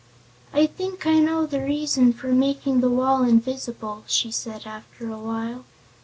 "I think I know the reason for making the wall invisible," she said after a while.